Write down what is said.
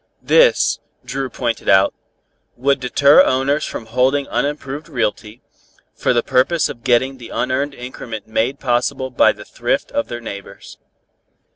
This, Dru pointed out, would deter owners from holding unimproved realty, for the purpose of getting the unearned increment made possible by the thrift of their neighbors.